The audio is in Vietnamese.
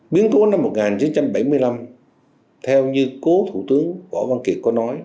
biến cố năm một nghìn chín trăm bảy mươi năm theo như cố thủ tướng võ văn kiệt có nói